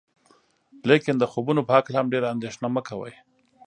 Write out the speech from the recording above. لیکن د خوبونو په هکله هم ډیره اندیښنه مه کوئ.